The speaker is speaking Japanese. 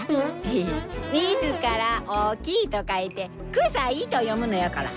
「自ら大きい」と書いて「臭い」と読むのやから！